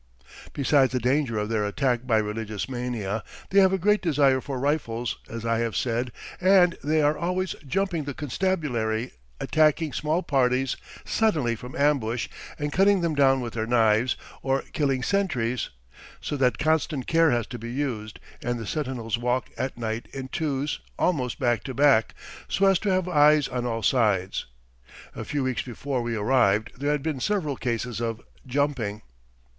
Besides the danger of their attack by religious mania they have a great desire for rifles, as I have said, and they are always "jumping" the constabulary, attacking small parties suddenly from ambush and cutting them down with their knives, or killing sentries; so that constant care has to be used, and the sentinels walk at night in twos, almost back to back, so as to have eyes on all sides. A few weeks before we arrived there had been several cases of "jumping."